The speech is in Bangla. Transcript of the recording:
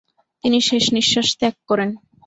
তিনি শেষ নিঃশ্বাস ত্যাগ করেন।